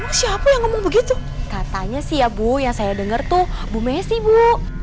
oh siapa yang ngomong begitu katanya sih ya bu yang saya dengar tuh bu messi bu